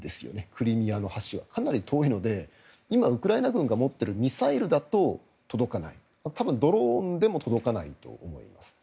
クリミアの橋はかなり遠いので今、ウクライナ軍が持っているミサイルだと届かない多分、ドローンでも届かないと思います。